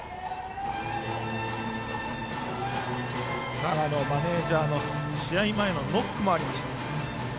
永野マネージャーの試合前のノックもありました。